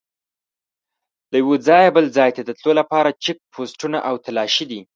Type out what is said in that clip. له یوه ځایه بل ځای ته د تلو لپاره چیک پوسټونه او تلاشي دي.